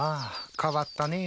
変わったねぇ。